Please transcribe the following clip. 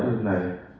một ý là chiếu sáng